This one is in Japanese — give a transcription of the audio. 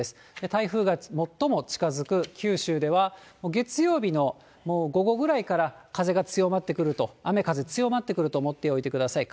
台風が最も近づく九州では、月曜日のもう午後ぐらいから風が強まってくると、雨風強まってくると思っておいてください。